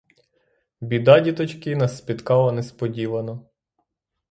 Біда, діточки, нас спіткала несподівано.